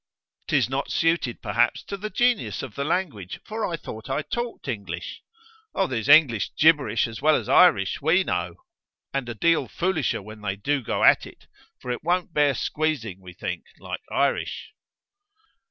"'Tis not suited, perhaps, to the genius of the language, for I thought I talked English." "Oh, there's English gibberish as well as Irish, we know!" "And a deal foolisher when they do go at it; for it won't bear squeezing, we think, like Irish."